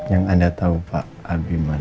yang anda tahu pak abim mana